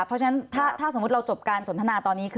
เพราะฉะนั้นถ้าสมมติสมทนาตอนนี้